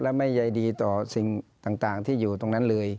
และไม่ใยดีต่อสิ่งต่างที่อยู่ตรงนั้นเลย